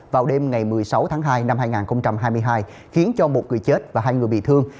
vào đêm ngày một mươi sáu tháng hai năm hai nghìn hai mươi hai khiến cho một người chết và hai người bị thương